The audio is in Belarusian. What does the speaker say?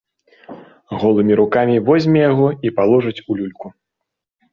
Голымі рукамі возьме яго і паложыць у люльку.